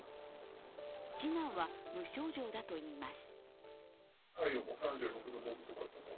次男は無症状だといいます。